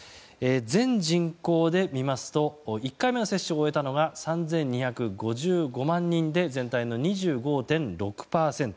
全人口で見ますと１回目の接種を終えたのが３２５５万人で全体の２５．６％。